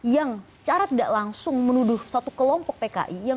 yang secara tidak langsung menuduh satu kelompok pki